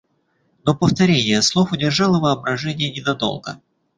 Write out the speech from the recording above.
Но повторение слов удержало воображение не надолго.